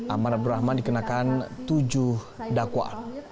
aman abdurrahman dikenakan tujuh dakwa